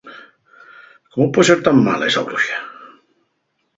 ¿Cómo pue ser tan mala esa bruxa?